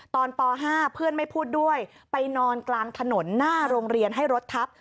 ป๕เพื่อนไม่พูดด้วยไปนอนกลางถนนหน้าโรงเรียนให้รถทับ